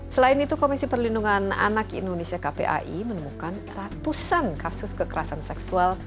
selain itu komisi perlindungan anak indonesia kpai menemukan ratusan kasus kekerasan seksual